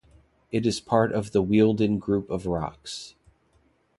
It is part of the Wealden Group of rocks.